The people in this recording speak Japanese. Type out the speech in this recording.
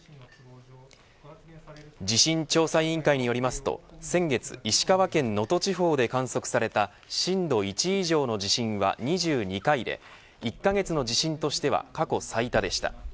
地震調査委員会によりますと先月石川県能登地方で観測された震度１以上の地震は２２回で１カ月の地震としては過去最多でした。